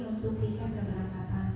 untuk tiga keberatan